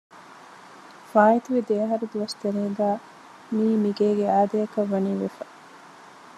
ފާއިތުވި ދެއަހަރު ދުވަސް ތެރޭގައި މިއީ މިގޭގެ އާދައަކަށް ވަނީ ވެފަ